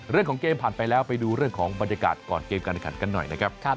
เรื่องของเกมผ่านไปแล้วไปดูเรื่องของบรรยากาศก่อนเกมการแข่งขันกันหน่อยนะครับ